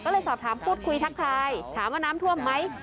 ก็เลยสอบถามพูดคุยทักทายถามว่าน้ำท่วมไหม